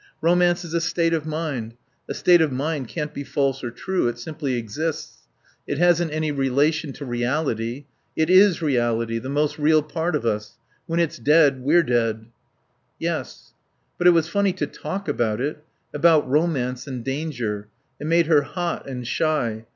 Romance is a state of mind. A state of mind can't be false or true. It simply exists. It hasn't any relation to reality. It is reality, the most real part of us. When it's dead we're dead." "Yes." But it was funny to talk about it. About romance and danger. It made her hot and shy.